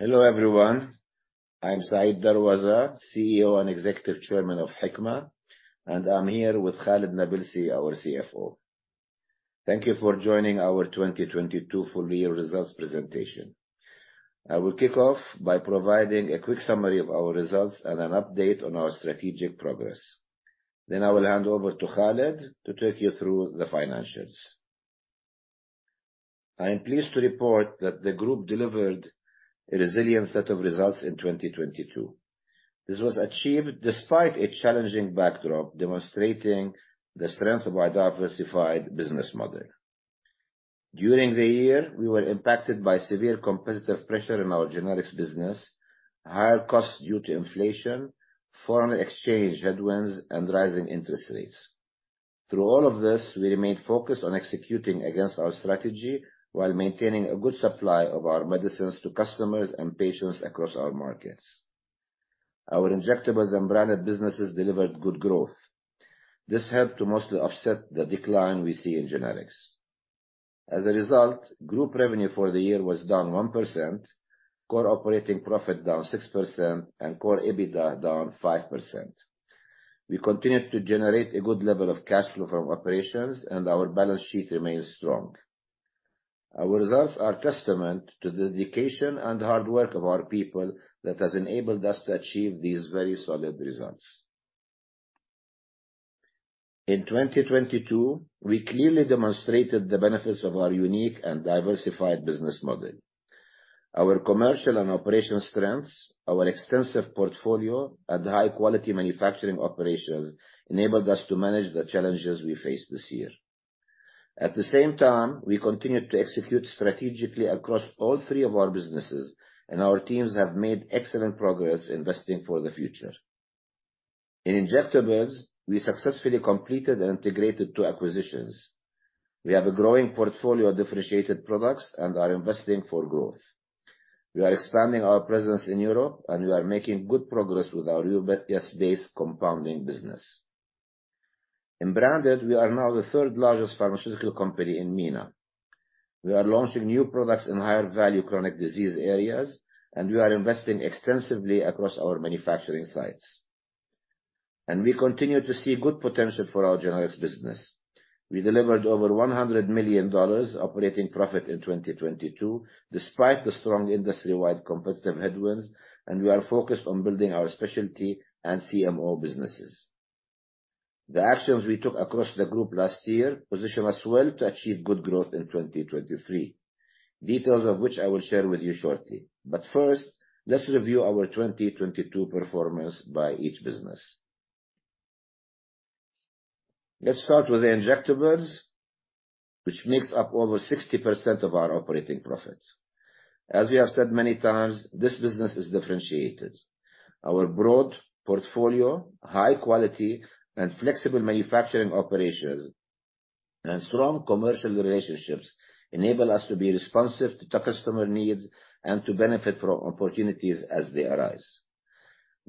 Hello everyone, I'm Said Darwazah, CEO and Executive Chairman of Hikma, and I'm here with Khalid Nabilsi, our CFO. Thank you for joining our 2022 full year results presentation. I will kick off by providing a quick summary of our results and an update on our strategic progress. Then I will hand over to Khalid to take you through the financials. I am pleased to report that the group delivered a resilient set of results in 2022. This was achieved despite a challenging backdrop, demonstrating the strength of our diversified business model. During the year, we were impacted by severe competitive pressure in our generics business, higher costs due to inflation, foreign exchange headwinds, and rising interest rates. Through all of this, we remained focused on executing against our strategy while maintaining a good supply of our medicines to customers and patients across our markets. Our Injectables and Branded businesses delivered good growth. This helped to mostly offset the decline we see in generics. As a result, group revenue for the year was down 1%, core operating profit down 6%, and core EBITDA down 5%. We continued to generate a good level of cash flow from operations, and our balance sheet remains strong. Our results are testament to the dedication and hard work of our people that has enabled us to achieve these very solid results. In 2022, we clearly demonstrated the benefits of our unique and diversified business model. Our commercial and operational strengths, our extensive portfolio, and high-quality manufacturing operations enabled us to manage the challenges we faced this year. At the same time, we continued to execute strategically across all three of our businesses, and our teams have made excellent progress investing for the future. In injectables, we successfully completed and integrated two acquisitions. We have a growing portfolio of differentiated products and are investing for growth. We are expanding our presence in Europe, we are making good progress with our U.S.-based compounding business. In Branded, we are now the third-largest pharmaceutical company in MENA. We are launching new products in higher-value chronic disease areas, we are investing extensively across our manufacturing sites. We continue to see good potential for our Generics business. We delivered over $100 million operating profit in 2022, despite the strong industry-wide competitive headwinds, we are focused on building our specialty and CMO businesses. The actions we took across the group last year position us well to achieve good growth in 2023. Details of which I will share with you shortly. First, let's review our 2022 performance by each business. Let's start with the injectables, which makes up over 60% of our operating profits. As we have said many times, this business is differentiated. Our broad portfolio, high quality, and flexible manufacturing operations, and strong commercial relationships enable us to be responsive to customer needs and to benefit from opportunities as they arise.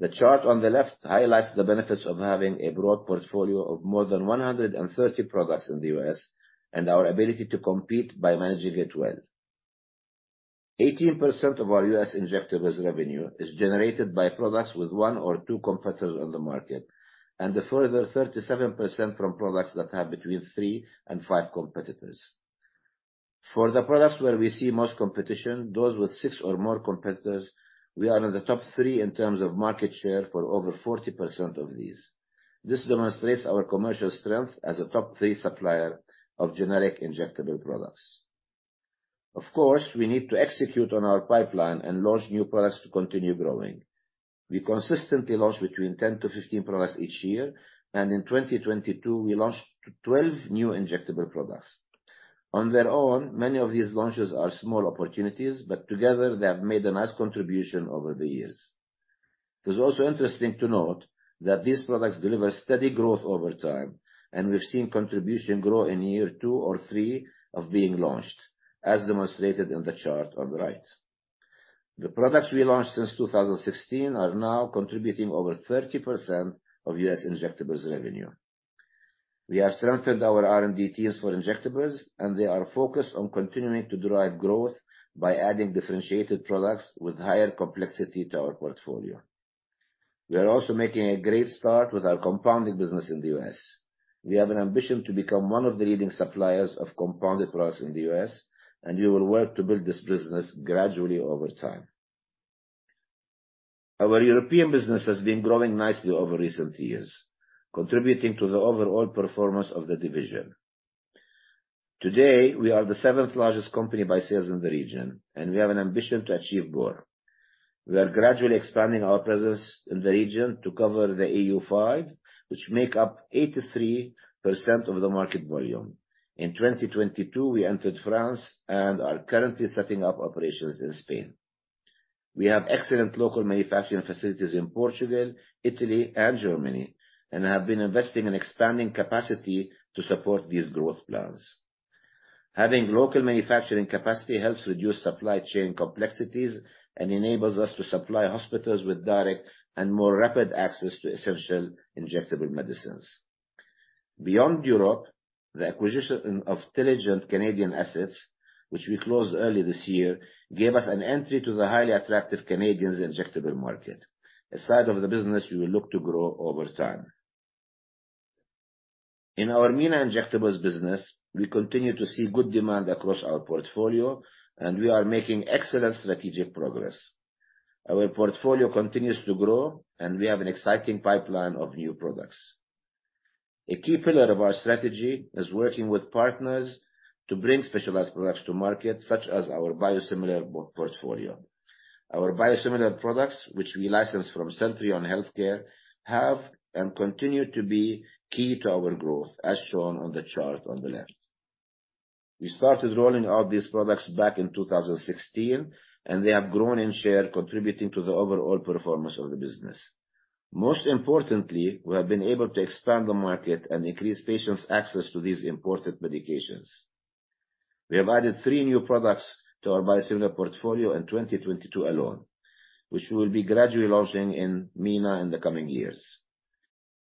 The chart on the left highlights the benefits of having a broad portfolio of more than 130 products in the U.S. and our ability to compete by managing it well. 18% of our U.S. injectables revenue is generated by products with one or two competitors on the market, and a further 37% from products that have between three and five competitors. For the products where we see most competition, those with six or more competitors, we are in the top three in terms of market share for over 40% of these. This demonstrates our commercial strength as a top three supplier of generic injectable products. Of course, we need to execute on our pipeline and launch new products to continue growing. We consistently launch between 10-15 products each year, and in 2022, we launched 12 new injectable products. On their own, many of these launches are small opportunities, but together they have made a nice contribution over the years. It is also interesting to note that these products deliver steady growth over time, and we've seen contribution grow in year two or three of being launched, as demonstrated in the chart on the right. The products we launched since 2016 are now contributing over 30% of U.S. injectables revenue. We have strengthened our R&D teams for injectables, they are focused on continuing to drive growth by adding differentiated products with higher complexity to our portfolio. We are also making a great start with our compounding business in the U.S. We have an ambition to become one of the leading suppliers of compounded products in the U.S., We will work to build this business gradually over time. Our European business has been growing nicely over recent years, contributing to the overall performance of the division. Today, we are the 7th-largest company by sales in the region, We have an ambition to achieve more. We are gradually expanding our presence in the region to cover the EU5, which make up 83% of the market volume. In 2022, we entered France and are currently setting up operations in Spain. We have excellent local manufacturing facilities in Portugal, Italy, and Germany, and have been investing in expanding capacity to support these growth plans. Having local manufacturing capacity helps reduce supply chain complexities and enables us to supply hospitals with direct and more rapid access to essential injectable medicines. Beyond Europe, the acquisition of Teligent Canadian assets, which we closed early this year, gave us an entry to the highly attractive Canadian injectable market, a side of the business we will look to grow over time. In our MENA Injectables business, we continue to see good demand across our portfolio, and we are making excellent strategic progress. Our portfolio continues to grow, and we have an exciting pipeline of new products. A key pillar of our strategy is working with partners to bring specialized products to market, such as our biosimilar portfolio. Our biosimilar products, which we licensed from Celltrion Healthcare, have and continue to be key to our growth, as shown on the chart on the left. They have grown in share, contributing to the overall performance of the business. Most importantly, we have been able to expand the market and increase patients' access to these important medications. We have added three new products to our biosimilar portfolio in 2022 alone, which we will be gradually launching in MENA in the coming years.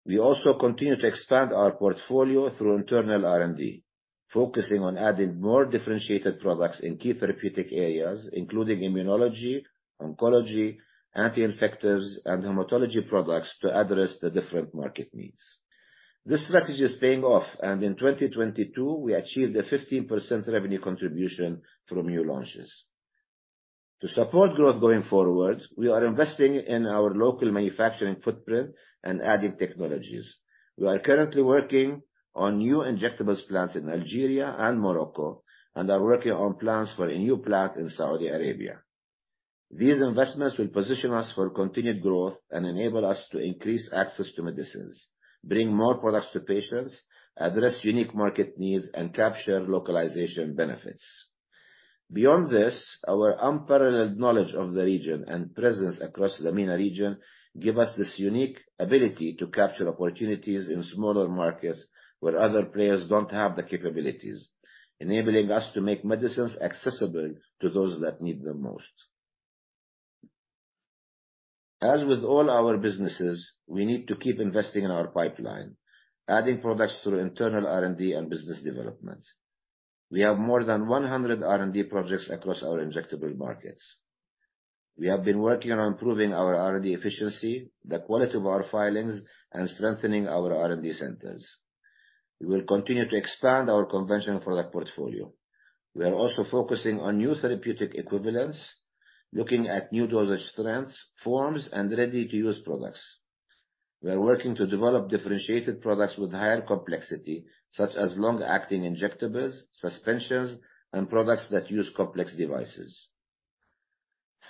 We also continue to expand our portfolio through internal R&D, focusing on adding more differentiated products in key therapeutic areas, including immunology, oncology, anti-infectives, and hematology products to address the different market needs. This strategy is paying off, and in 2022 we achieved a 15% revenue contribution from new launches. To support growth going forward, we are investing in our local manufacturing footprint and adding technologies. We are currently working on new injectables plants in Algeria and Morocco, and are working on plans for a new plant in Saudi Arabia. These investments will position us for continued growth and enable us to increase access to medicines, bring more products to patients, address unique market needs, and capture localization benefits. Beyond this, our unparalleled knowledge of the region and presence across the MENA region give us this unique ability to capture opportunities in smaller markets where other players don't have the capabilities, enabling us to make medicines accessible to those that need them most. As with all our businesses, we need to keep investing in our pipeline, adding products through internal R&D and business development. We have more than 100 R&D projects across our injectable markets. We have been working on improving our R&D efficiency, the quality of our filings, and strengthening our R&D centers. We will continue to expand our conventional product portfolio. We are also focusing on new therapeutic equivalents, looking at new dosage strengths, forms, and ready-to-use products. We are working to develop differentiated products with higher complexity, such as long-acting injectables, suspensions, and products that use complex devices.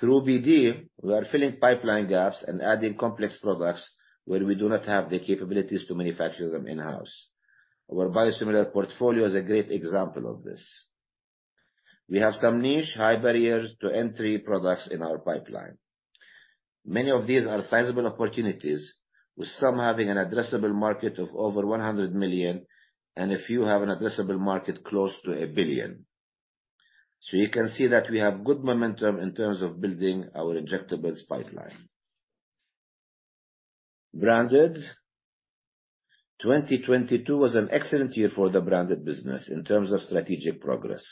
Through BD, we are filling pipeline gaps and adding complex products where we do not have the capabilities to manufacture them in-house. Our biosimilar portfolio is a great example of this. We have some niche, high barriers to entry products in our pipeline. Many of these are sizable opportunities, with some having an addressable market of over $100 million, a few have an addressable market close to $1 billion. You can see that we have good momentum in terms of building our injectables pipeline. Branded. 2022 was an excellent year for the Branded business in terms of strategic progress.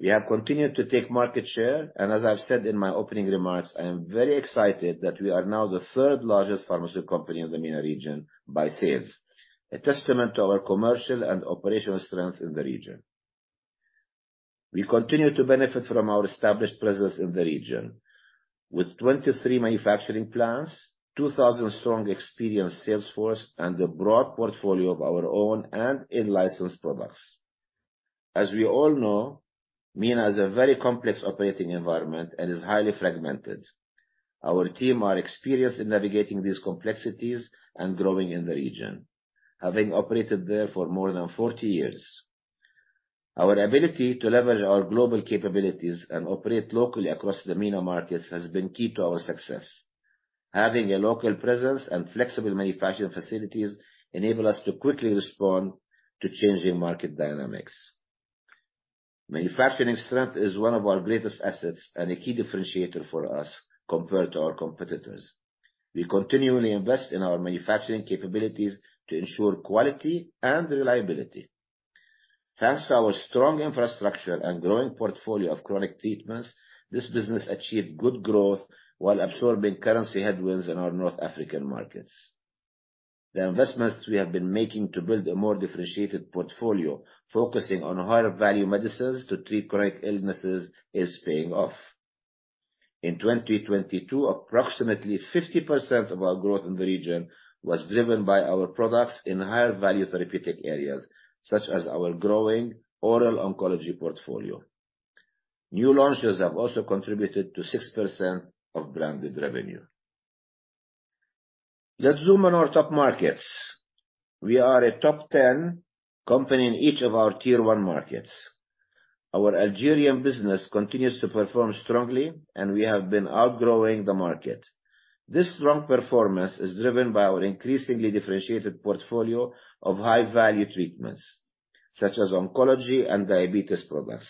We have continued to take market share, as I've said in my opening remarks, I am very excited that we are now the third-largest pharmaceutical company in the MENA region by sales, a testament to our commercial and operational strength in the region. We continue to benefit from our established presence in the region with 23 manufacturing plants, 2,000 strong experienced sales force, a broad portfolio of our own and in-licensed products. We all know, MENA is a very complex operating environment and is highly fragmented. Our team are experienced in navigating these complexities and growing in the region, having operated there for more than 40 years. Our ability to leverage our global capabilities and operate locally across the MENA markets has been key to our success. Having a local presence and flexible manufacturing facilities enable us to quickly respond to changing market dynamics. Manufacturing strength is one of our greatest assets and a key differentiator for us compared to our competitors. We continually invest in our manufacturing capabilities to ensure quality and reliability. Thanks to our strong infrastructure and growing portfolio of chronic treatments, this business achieved good growth while absorbing currency headwinds in our North African markets. The investments we have been making to build a more differentiated portfolio, focusing on higher value medicines to treat chronic illnesses, is paying off. In 2022, approximately 50% of our growth in the region was driven by our products in higher value therapeutic areas, such as our growing oral oncology portfolio. New launches have also contributed to 6% of Branded revenue. Let's zoom on our top markets. We are a top 10 company in each of our Tier 1 markets. Our Algerian business continues to perform strongly, and we have been outgrowing the market. This strong performance is driven by our increasingly differentiated portfolio of high-value treatments, such as oncology and diabetes products,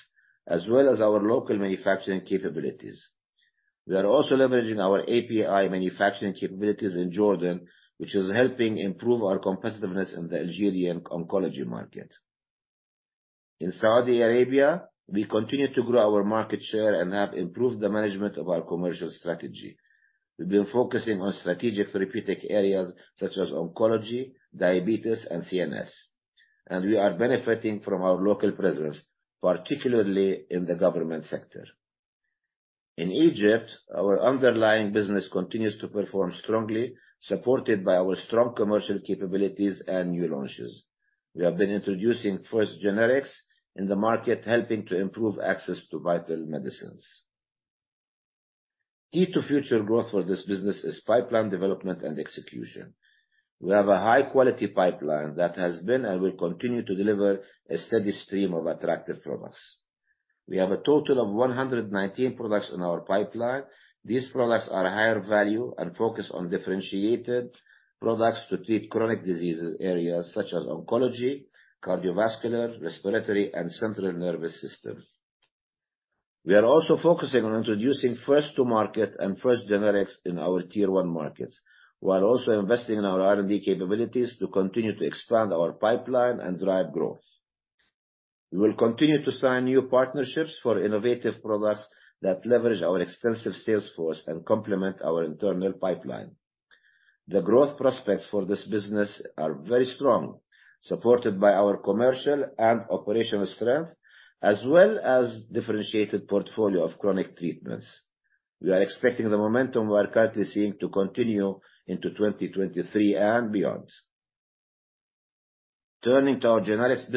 as well as our local manufacturing capabilities. We are also leveraging our API manufacturing capabilities in Jordan, which is helping improve our competitiveness in the Algerian oncology market. In Saudi Arabia, we continue to grow our market share and have improved the management of our commercial strategy. We've been focusing on strategic therapeutic areas such as oncology, diabetes, and CNS. We are benefiting from our local presence, particularly in the government sector. In Egypt, our underlying business continues to perform strongly, supported by our strong commercial capabilities and new launches. We have been introducing first generics in the market, helping to improve access to vital medicines. Key to future growth for this business is pipeline development and execution. We have a high-quality pipeline that has been and will continue to deliver a steady stream of attractive products. We have a total of 119 products in our pipeline. These products are higher value and focus on differentiated products to treat chronic diseases areas such as oncology, cardiovascular, respiratory, and central nervous system. We are also focusing on introducing first to market and first generics in our Tier 1 markets, while also investing in our R&D capabilities to continue to expand our pipeline and drive growth. We will continue to sign new partnerships for innovative products that leverage our extensive sales force and complement our internal pipeline. The growth prospects for this business are very strong, supported by our commercial and operational strength, as well as differentiated portfolio of chronic treatments. We are expecting the momentum we are currently seeing to continue into 2023 and beyond. Turning to our Generics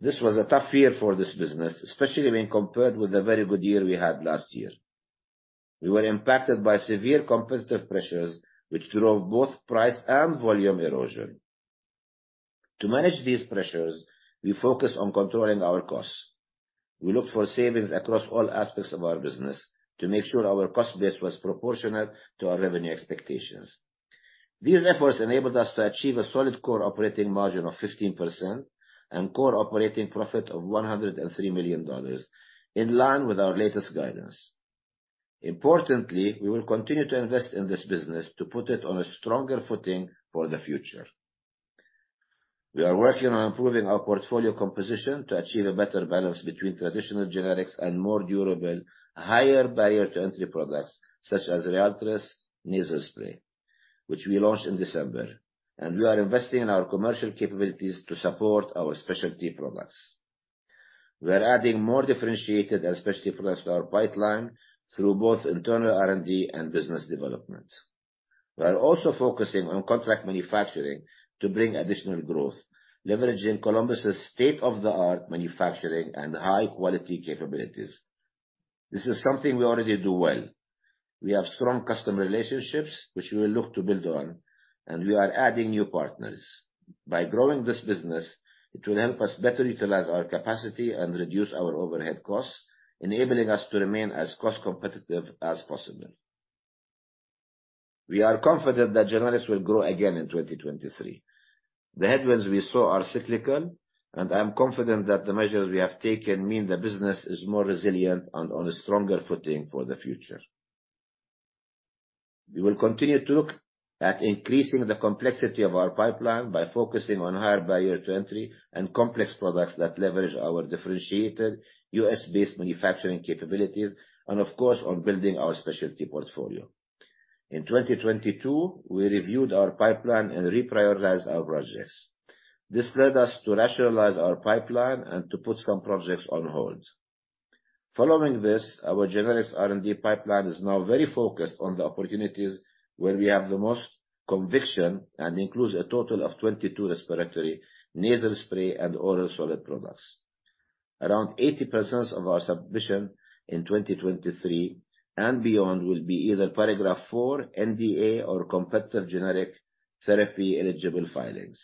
business, this was a tough year for this business, especially when compared with the very good year we had last year. We were impacted by severe competitive pressures, which drove both price and volume erosion. To manage these pressures, we focused on controlling our costs. We looked for savings across all aspects of our business to make sure our cost base was proportional to our revenue expectations. These efforts enabled us to achieve a solid core operating margin of 15% and core operating profit of $103 million, in line with our latest guidance. Importantly, we will continue to invest in this business to put it on a stronger footing for the future. We are working on improving our portfolio composition to achieve a better balance between traditional generics and more durable, higher barrier to entry products such as Ryaltris nasal spray, which we launched in December. We are investing in our commercial capabilities to support our specialty products. We are adding more differentiated and specialty products to our pipeline through both internal R&D and business development. We are also focusing on contract manufacturing to bring additional growth, leveraging Columbus's state-of-the-art manufacturing and high-quality capabilities. This is something we already do well. We have strong customer relationships, which we will look to build on, and we are adding new partners. By growing this business, it will help us better utilize our capacity and reduce our overhead costs, enabling us to remain as cost-competitive as possible. We are confident that generics will grow again in 2023. The headwinds we saw are cyclical, and I am confident that the measures we have taken mean the business is more resilient and on a stronger footing for the future. We will continue to look at increasing the complexity of our pipeline by focusing on higher barrier to entry and complex products that leverage our differentiated U.S.-based manufacturing capabilities and, of course, on building our specialty portfolio. In 2022, we reviewed our pipeline and reprioritized our projects. This led us to rationalize our pipeline and to put some projects on hold. Following this, our generics R&D pipeline is now very focused on the opportunities where we have the most conviction and includes a total of 22 respiratory nasal spray and oral solid products. Around 80% of our submission in 2023 and beyond will be either Paragraph IV, NDA or competitive generic therapy-eligible filings.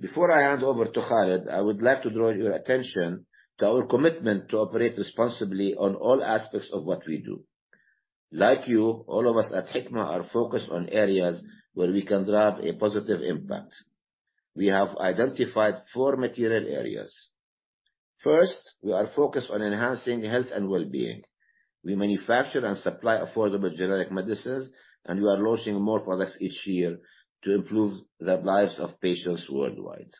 Before I hand over to Khalid, I would like to draw your attention to our commitment to operate responsibly on all aspects of what we do. Like you, all of us at Hikma are focused on areas where we can drive a positive impact. We have identified four material areas. First, we are focused on enhancing health and well-being. We manufacture and supply affordable generic medicines, we are launching more products each year to improve the lives of patients worldwide.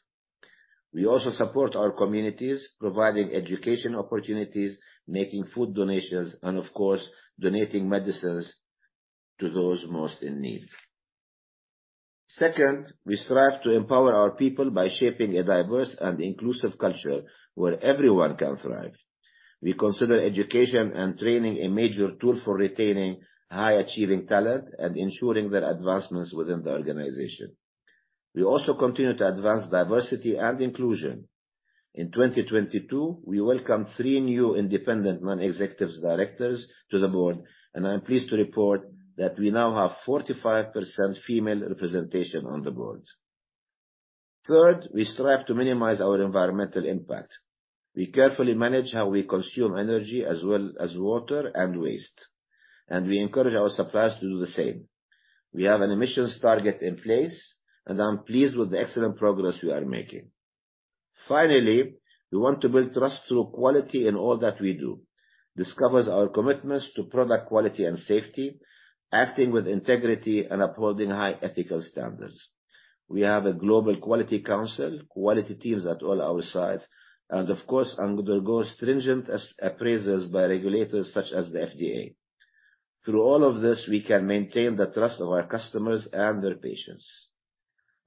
We also support our communities, providing education opportunities, making food donations, and of course, donating medicines to those most in need. Second, we strive to empower our people by shaping a diverse and inclusive culture where everyone can thrive. We consider education and training a major tool for retaining high-achieving talent and ensuring their advancements within the organization. We also continue to advance diversity and inclusion. In 2022, we welcomed three new independent non-executive directors to the board, and I'm pleased to report that we now have 45% female representation on the board. Third, we strive to minimize our environmental impact. We carefully manage how we consume energy as well as water and waste. We encourage our suppliers to do the same. We have an emissions target in place. I'm pleased with the excellent progress we are making. Finally, we want to build trust through quality in all that we do. This covers our commitments to product quality and safety, acting with integrity, and upholding high ethical standards. We have a global quality council, quality teams at all our sites, and of course, undergo stringent appraisals by regulators such as the FDA. Through all of this, we can maintain the trust of our customers and their patients.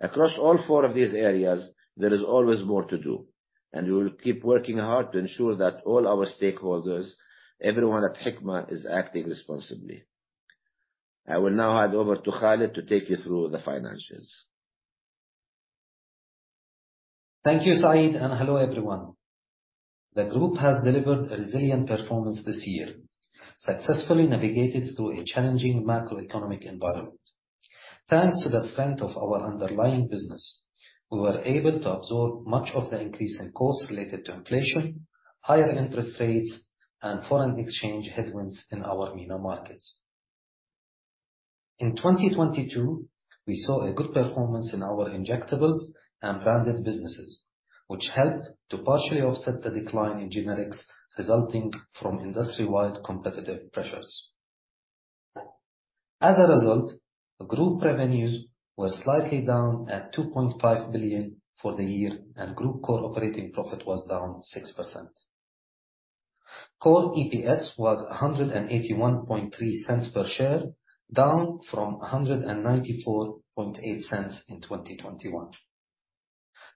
Across all four of these areas, there is always more to do. We will keep working hard to ensure that all our stakeholders, everyone at Hikma, is acting responsibly. I will now hand over to Khalid to take you through the financials. Thank you, Said. Hello, everyone. The group has delivered a resilient performance this year, successfully navigated through a challenging macroeconomic environment. Thanks to the strength of our underlying business, we were able to absorb much of the increase in costs related to inflation, higher interest rates, and foreign exchange headwinds in our MENA markets. In 2022, we saw a good performance in our Injectables and Branded businesses, which helped to partially offset the decline in generics resulting from industry-wide competitive pressures. The group revenues were slightly down at $2.5 billion for the year, and group core operating profit was down 6%. Core EPS was $1.813 per share, down from $1.948 in 2021.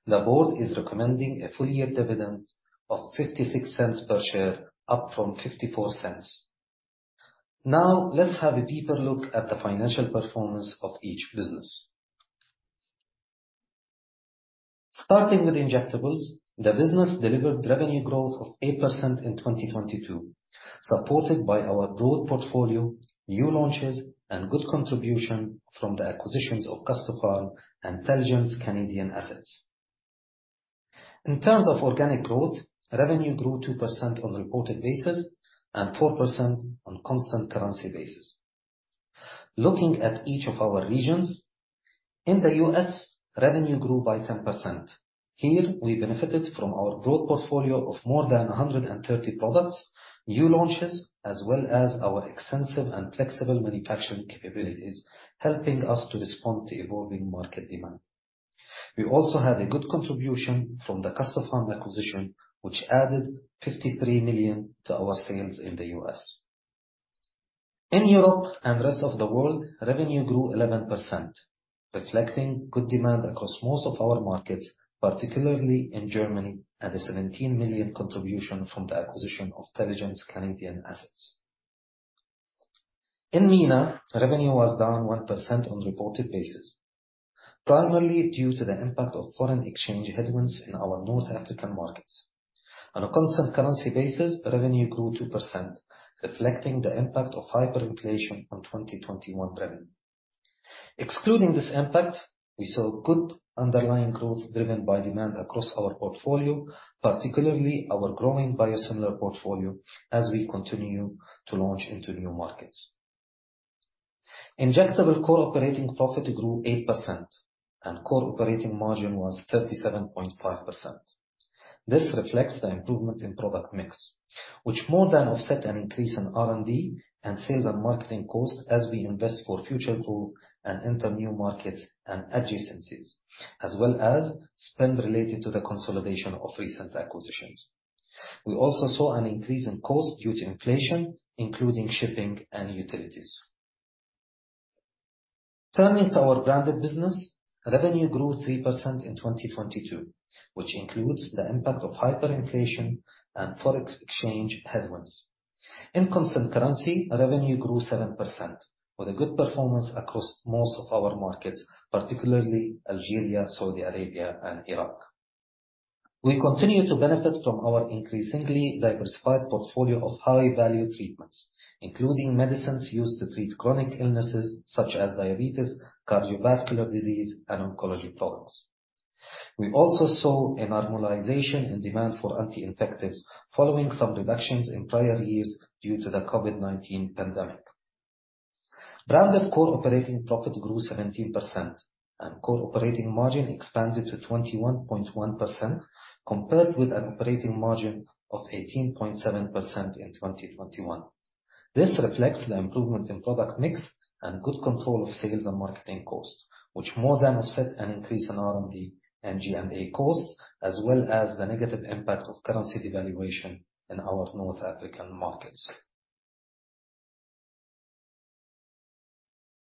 The board is recommending a full year dividend of $0.56 per share, up from $0.54. Let's have a deeper look at the financial performance of each business. Starting with injectables, the business delivered revenue growth of 8% in 2022, supported by our broad portfolio, new launches, and good contribution from the acquisitions of Custopharm and Teligent Canadian assets. In terms of organic growth, revenue grew 2% on reported basis and 4% on constant currency basis. Looking at each of our regions, in the U.S., revenue grew by 10%. Here, we benefited from our broad portfolio of more than 130 products, new launches, as well as our extensive and flexible manufacturing capabilities, helping us to respond to evolving market demand. We also had a good contribution from the Custopharm acquisition, which added $53 million to our sales in the U.S. In Europe and rest of the world, revenue grew 11%, reflecting good demand across most of our markets, particularly in Germany, at a $17 million contribution from the acquisition of Teligent Canadian assets. In MENA, revenue was down 1% on reported basis, primarily due to the impact of foreign exchange headwinds in our North African markets. On a constant currency basis, revenue grew 2%, reflecting the impact of hyperinflation on 2021 revenue. Excluding this impact, we saw good underlying growth driven by demand across our portfolio, particularly our growing biosimilar portfolio as we continue to launch into new markets. Injectable core operating profit grew 8% and core operating margin was 37.5%. This reflects the improvement in product mix, which more than offset an increase in R&D, and sales and marketing costs as we invest for future growth and enter new markets and adjacencies, as well as spend related to the consolidation of recent acquisitions. We also saw an increase in cost due to inflation, including shipping and utilities. Turning to our Branded business, revenue grew 3% in 2022, which includes the impact of hyperinflation and forex exchange headwinds. In constant currency, revenue grew 7% with a good performance across most of our markets, particularly Algeria, Saudi Arabia, and Iraq. We continue to benefit from our increasingly diversified portfolio of high-value treatments, including medicines used to treat chronic illnesses such as diabetes, cardiovascular disease, and oncology products. We also saw a normalization in demand for anti-infectives following some reductions in prior years due to the COVID-19 pandemic. Branded core operating profit grew 17% and core operating margin expanded to 21.1% compared with an operating margin of 18.7% in 2021. This reflects the improvement in product mix and good control of sales and marketing costs, which more than offset an increase in R&D and G&A costs, as well as the negative impact of currency devaluation in our North African markets.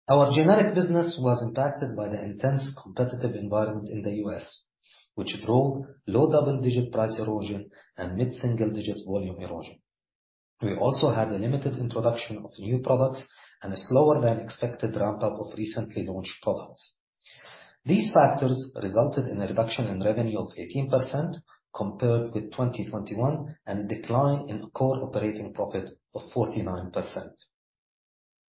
Our Generic business was impacted by the intense competitive environment in the U.S., which drove low double-digit price erosion and mid-single-digit volume erosion. We also had a limited introduction of new products and a slower than expected ramp-up of recently launched products. These factors resulted in a reduction in revenue of 18% compared with 2021, and a decline in core operating profit of 49%.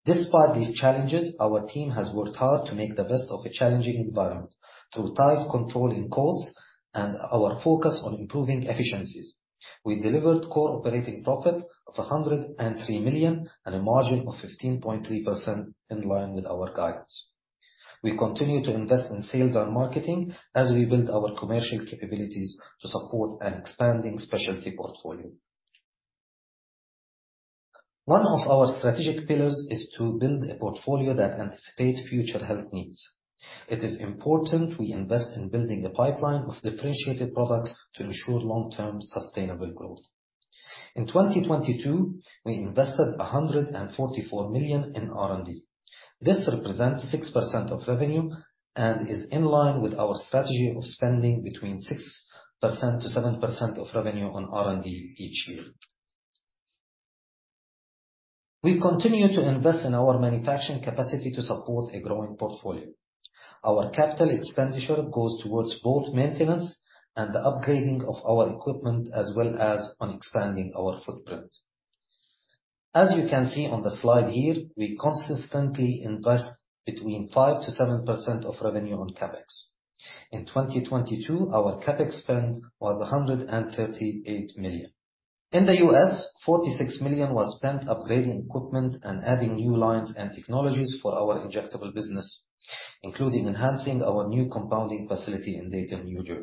Despite these challenges, our team has worked hard to make the best of a challenging environment through tight controlling costs and our focus on improving efficiencies. We delivered core operating profit of $103 million and a margin of 15.3% in line with our guidance. We continue to invest in sales and marketing as we build our commercial capabilities to support an expanding specialty portfolio. One of our strategic pillars is to build a portfolio that anticipates future health needs. It is important we invest in building a pipeline of differentiated products to ensure long-term sustainable growth. In 2022, we invested $144 million in R&D. This represents 6% of revenue and is in line with our strategy of spending between 6%-7% of revenue on R&D each year. We continue to invest in our manufacturing capacity to support a growing portfolio. Our capital expenditure goes towards both maintenance and the upgrading of our equipment, as well as on expanding our footprint. As you can see on the slide here, we consistently invest between 5%-7% of revenue on CapEx. In 2022, our CapEx spend was $138 million. In the U.S., $46 million was spent upgrading equipment and adding new lines and technologies for our injectable business, including enhancing our new compounding facility in Dayton, NJ.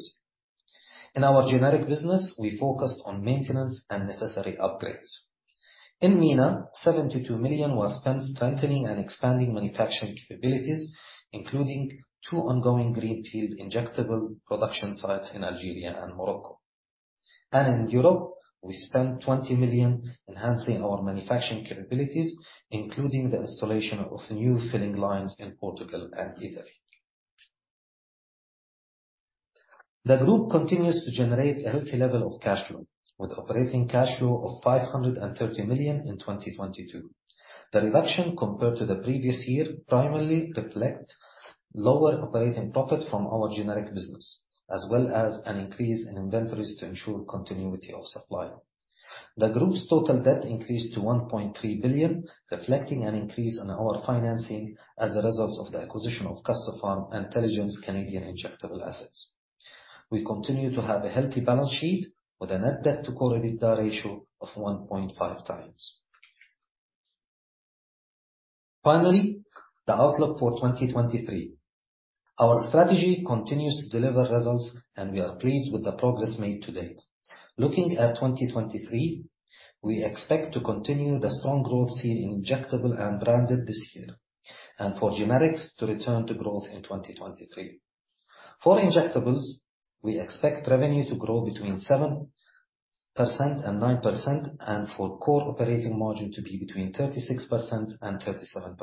In our Generic business, we focused on maintenance and necessary upgrades. In MENA, $72 million was spent strengthening and expanding manufacturing capabilities, including two ongoing greenfield injectable production sites in Algeria and Morocco. In Europe, we spent $20 million enhancing our manufacturing capabilities, including the installation of new filling lines in Portugal and Italy. The group continues to generate a healthy level of cash flow, with operating cash flow of $530 million in 2022. The reduction compared to the previous year primarily reflect lower operating profit from our Generic business, as well as an increase in inventories to ensure continuity of supply. The group's total debt increased to $1.3 billion, reflecting an increase in our financing as a result of the acquisition of Custopharm and Teligent Canadian Injectable Assets. We continue to have a healthy balance sheet with a net debt to core EBITDA ratio of 1.5 times. The outlook for 2023. Our strategy continues to deliver results, and we are pleased with the progress made to date. Looking at 2023, we expect to continue the strong growth seen in Injectables and Branded this year and for generics to return to growth in 2023. For injectables, we expect revenue to grow between 7% and 9%, and for core operating margin to be between 36% and 37%.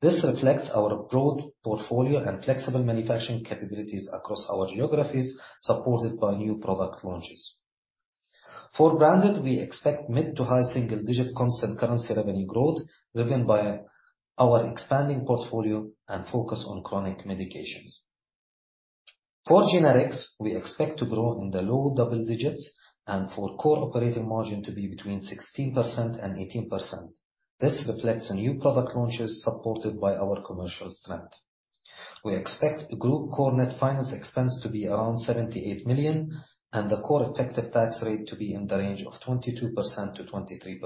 This reflects our broad portfolio and flexible manufacturing capabilities across our geographies, supported by new product launches. For Branded, we expect mid to high single-digit constant currency revenue growth, driven by our expanding portfolio and focus on chronic medications. For Generics, we expect to grow in the low double-digits and for core operating margin to be between 16% and 18%. This reflects new product launches supported by our commercial strength. We expect group core net finance expense to be around $78 million and the core effective tax rate to be in the range of 22%-23%.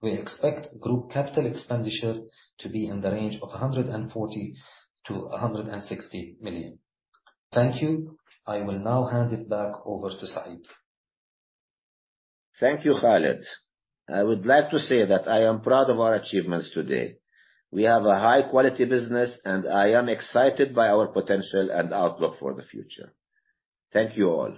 We expect group capital expenditure to be in the range of $140 million-$160 million. Thank you. I will now hand it back over to Said. Thank you, Khalid. I would like to say that I am proud of our achievements today. We have a high quality business, and I am excited by our potential and outlook for the future. Thank you all.